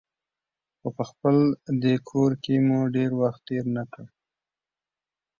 خو په خپل دې کور کې مو ډېر وخت تېر نه کړ.